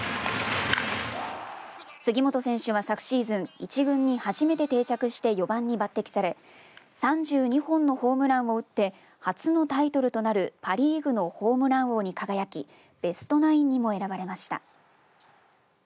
杉本選手は昨シーズン１軍に初めて定着して４番に抜てきされ３２本のホームランを打って初のタイトルとなるパ・リーグのホームラン王に輝きベストナインにも選ばれました。